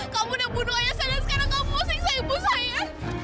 kamu udah bunuh ayah saya dan sekarang kamu sengsa ibu saya